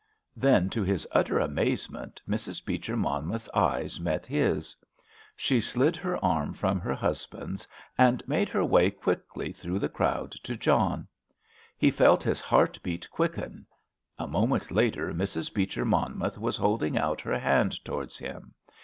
Then, to his utter amazement, Mrs. Beecher Monmouth's eyes met his. She slid her arm from her husband's, and made her way quickly through the crowd to John. He felt his heart beat quicken. A moment later Mrs. Beecher Monmouth was holding out her hand towards him.